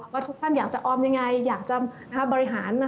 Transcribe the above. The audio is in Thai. ว่าทุกท่านอยากจะออมยังไงอยากจะบริหาร